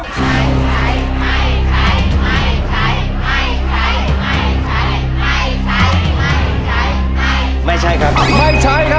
ไม่ใช้ไม่ใช้ไม่ใช้ไม่ใช้ไม่ใช้ไม่ใช้ไม่ใช้